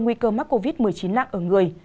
nguy cơ mắc covid một mươi chín nặng ở người